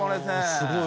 すごい。